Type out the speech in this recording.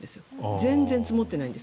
全然積もってないんです。